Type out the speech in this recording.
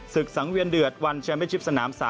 สังเวียนเดือดวันแชมเป็นชิปสนาม๓